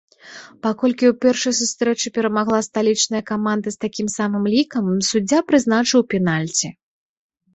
Паколькі ў першай сустрэчы перамагла сталічная каманда з такім самым лікам, суддзя прызначыў пенальці.